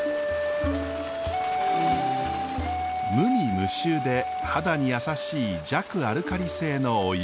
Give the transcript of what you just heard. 無味無臭で肌に優しい弱アルカリ性のお湯。